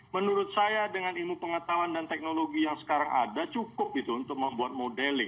menurut saya dengan ilmu pengetahuan dan teknologi yang sekarang ada cukup gitu untuk membuat modeling